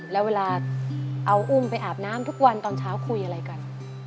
แล้วเวลาเอาอุ้มไปอาบน้ำทุกวันตอนเช้าคุยอะไรกัน